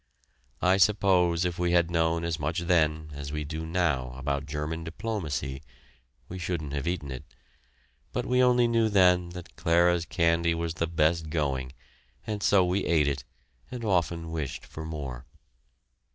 I suppose if we had known as much then as we do now about German diplomacy, we shouldn't have eaten it, but we only knew then that Clara's candy was the best going, and so we ate it, and often wished for more.